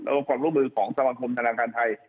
แล้วก็ความร่วมมือของสมาคมธนาคารไทย